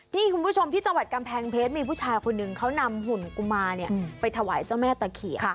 นี่คุณผู้ชมที่จังหวัดกำแพงเพชรมีผู้ชายคนหนึ่งเขานำหุ่นกุมารไปถวายเจ้าแม่ตะเขียน